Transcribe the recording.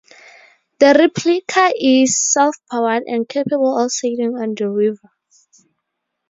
The replica is self-powered and capable of sailing on the river.